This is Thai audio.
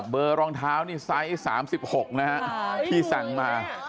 เบอร์รองเท้าที่สาย๓๖ที่สั่งมา